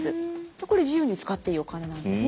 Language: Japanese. これ自由に使っていいお金なんですね。